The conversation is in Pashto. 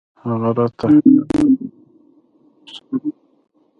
هغه راته حيران وكتل موسكى سو.